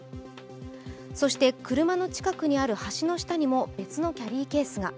そして車の近くにある橋の下にも別のキャリーケースが。